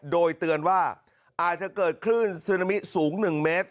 โดยเตือนว่าอาจจะเกิดคลื่นซึนามิสูง๑เมตร